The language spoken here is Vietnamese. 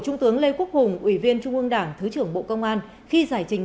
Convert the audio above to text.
trung tướng lê quốc hùng ủy viên trung ương đảng thứ trưởng bộ công an khi giải trình